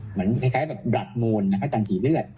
เหมือนคล้ายแบบบรัดมูลอาจารย์สีเลือด